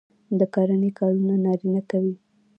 د کرنې کارونه نارینه کوي.